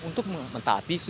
untuk mentaapi sejumlah